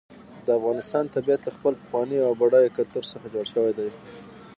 د افغانستان طبیعت له خپل پخواني او بډایه کلتور څخه جوړ شوی دی.